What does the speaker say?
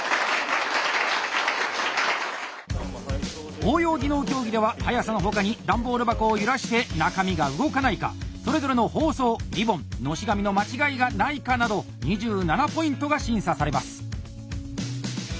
応用技能競技では速さの他に段ボール箱を揺らして中身が動かないかそれぞれの包装リボン熨斗紙の間違いがないかなど２７ポイントが審査されます。